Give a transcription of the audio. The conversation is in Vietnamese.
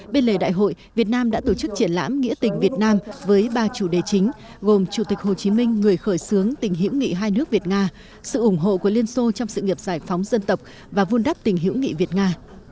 bên lề đại hội việt nam đã tổ chức triển lãm nghĩa tình việt nam với ba chủ đề chính gồm chủ tịch hồ chí minh người khởi xướng tình hiểu nghị hai nước việt nga sự ủng hộ của liên xô trong sự nghiệp giải phóng dân tộc và vun đắp tình hiểu nghị việt nga